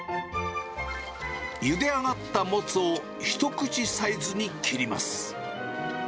ゆで上がったモツを一口サイズに切ります。